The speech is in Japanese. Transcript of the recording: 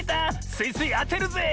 スイスイあてるぜ！